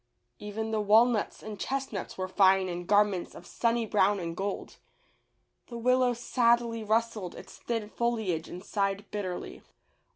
Even the walnuts and chestnuts were fine in garments of sunny brown and gold. The Willow sadly rustled its thin foliage and sighed bitterly.